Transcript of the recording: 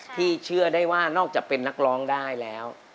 ที่เชื่อได้ว่านอกจะเป็นนักร้องได้ล่ะ